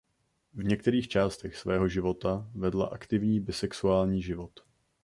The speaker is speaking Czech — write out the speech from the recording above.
V některých částech svého života vedla aktivní bisexuální život.